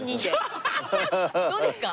どうですか？